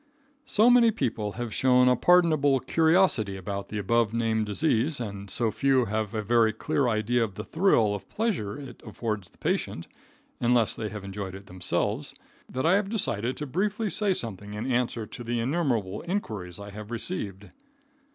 So many people have shown a pardonable curiosity about the above named disease, and so few have a very clear idea of the thrill of pleasure it affords the patient, unless they have enjoyed it themselves, that I have decided to briefly say something in answer to the innumerable inquiries I have received.